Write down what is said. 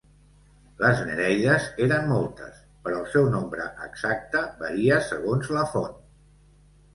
Les nereides eren moltes, però el seu nombre exacte varia segons la font.